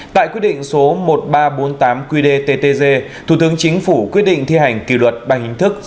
tại quyết định số một nghìn ba trăm bốn mươi tám qdttg thủ tướng chính phủ quyết định thi hành kỷ luật bằng hình thức